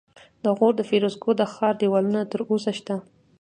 د غور د فیروزکوه د ښار دیوالونه تر اوسه شته